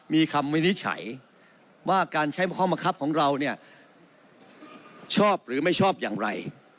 มีคำวินิจฉัยว่าการใช้ข้อบังคับของเราเนี่ยชอบหรือไม่ชอบอย่างไร